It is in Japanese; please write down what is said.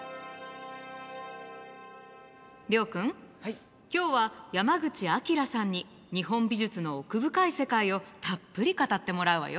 諒君今日は山口晃さんに日本美術の奥深い世界をたっぷり語ってもらうわよ。